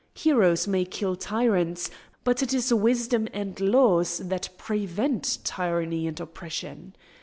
Heroes may kill tyrants, but it is wisdom and laws that prevent tyranny and oppression.